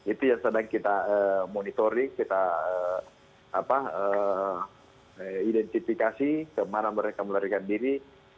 itu yang sedang kita monitoring kita identifikasi kemana mereka melarikan diri